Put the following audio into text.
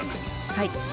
はい。